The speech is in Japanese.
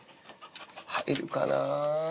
入るかな。